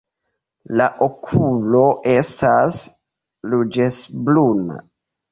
La okulo estas ruĝecbruna.